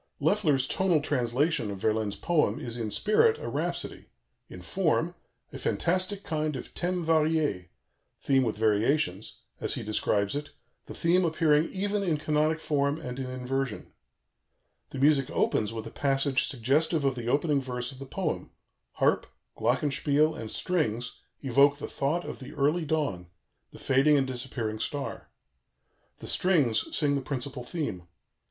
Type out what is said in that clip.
" Loeffler's tonal translation of Verlaine's poem is in spirit a rhapsody, in form "a fantastic kind of thème varié" (theme with variations), as he describes it, "the theme appearing even in canonic form and in inversion." The music opens with a passage suggestive of the opening verse of the poem: harp, glockenspiel, and strings evoke the thought of the early dawn, the fading and disappearing star. The strings sing the principal theme.